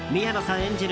演じる